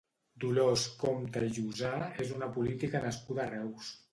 Dolors Compte i Llusà és una política nascuda a Reus.